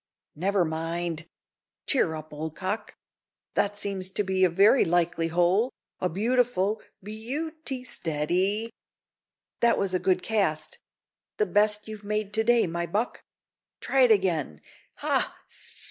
Never mind; cheer up, old cock! That seems a very likely hole a beautiful beau ti steady! That was a good cast the best you've made to day, my buck; try it again ha!